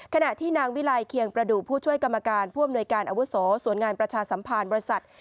ขณะที่นางวิลัยเคียงประดูกผู้ช่วยกรรมการผู้อำนวยการอาวุโสสวนงานประชาสัมพันธ์บริษัท